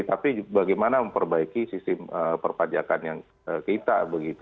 tapi bagaimana memperbaiki sistem perpajakan yang kita begitu